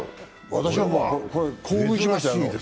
私は興奮しました。